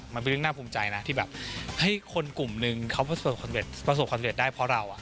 มันเป็นเรื่องน่าภูมิใจนะที่แบบให้คนกลุ่มนึงเขาประสบความเร็จได้เพราะเรา